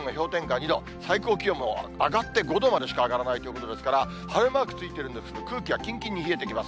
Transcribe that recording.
２度、最高気温も、上がって５度までしか上がらないということですから、晴れマークついてるんですけれども、空気はきんきんに冷えてきます。